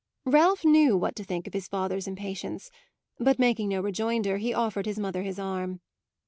Ralph knew what to think of his father's impatience; but, making no rejoinder, he offered his mother his arm.